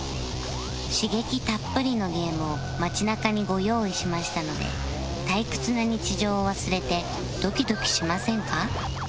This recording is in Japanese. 刺激たっぷりのゲームを街なかにご用意しましたので退屈な日常を忘れてドキドキしませんか？